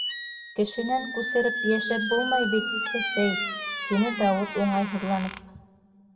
Кешенән күсереп йәшәп булмай бит, әсәй, - тине Дауыт уңайһыҙланып.